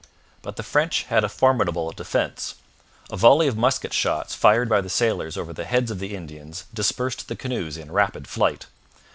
But the French had a formidable defence. A volley of musket shots fired by the sailors over the heads of the Indians dispersed the canoes in rapid flight.